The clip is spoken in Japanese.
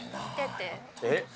えっ？